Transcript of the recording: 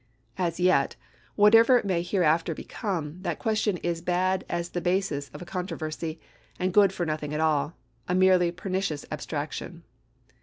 As yet, whatever it may hereafter be come, that question is bad as the basis of a con troversy, and good for nothing at all — a merely pernicious abstraction.